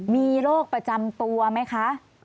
มีโรคประจำตัวไหมคะ